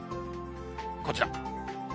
こちら。